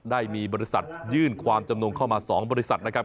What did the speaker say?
ได้มีบริษัทยื่นความจำนวนเข้ามา๒บริษัทนะครับ